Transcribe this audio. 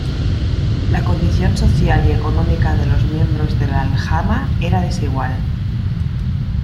La condición social y económica de los miembros de la aljama era desigual.